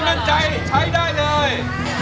ถ้าไม่มั่นใจใช้ได้เลย